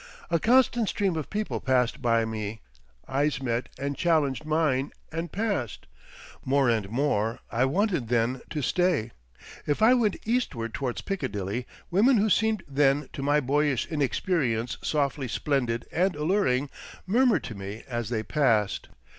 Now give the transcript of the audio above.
A constant stream of people passed by me, eyes met and challenged mine and passed—more and more I wanted then to stay—if I went eastward towards Piccadilly, women who seemed then to my boyish inexperience softly splendid and alluring, murmured to me as they passed.